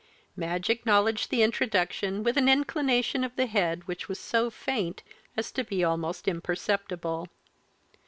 Madge acknowledged the introduction with an inclination of the head which was so faint as to be almost imperceptible.